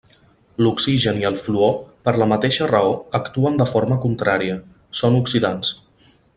L'oxigen i el fluor, per la mateixa raó, actuen de forma contrària, són oxidants.